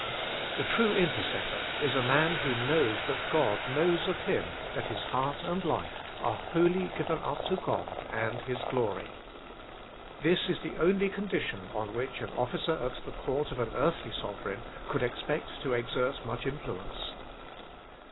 The true intercessor is a man who knows that God knows of him that his heart and life are Wholly Given up to God and His Glory. This is the only condition on which an officer at the court of an earthly sovereign could expect to exert much influence.